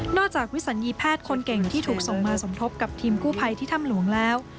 จากวิสัญญีแพทย์คนเก่งที่ถูกส่งมาสมทบกับทีมกู้ภัยที่ถ้ำหลวงแล้ว